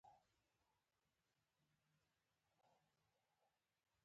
د پښتو ژبه، د پرمختګ په حال کې ده.